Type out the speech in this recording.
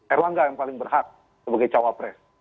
erlangga yang paling berhak sebagai cawapres